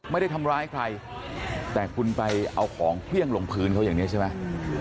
ไม่ได้ทำร้ายใครแต่คุณไปเอาของเครื่องลงพื้นเขาอย่างนี้ใช่ไหม